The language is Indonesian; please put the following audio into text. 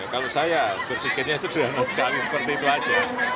kalau saya berpikirnya sederhana sekali seperti itu aja